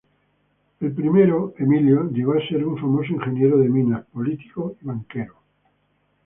El primero, Emilio, llegó a ser un famoso ingeniero de Minas, político y banquero.